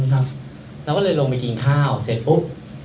เราก็เลยลงไปกินข้าวเสร็จปุ๊บ